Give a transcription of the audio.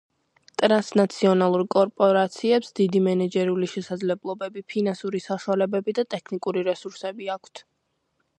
ტრანსნაციონალურ კორპორაციებს დიდი მენეჯერული შესაძლებლობები, ფინანსური საშუალებები და ტექნიკური რესურსები აქვთ.